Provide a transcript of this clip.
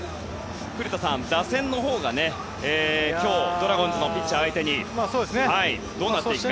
古田さん、打線のほうが今日ドラゴンズのピッチャー相手にどうなっていくか。